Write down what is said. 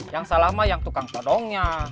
yang salah mah yang tukang todongnya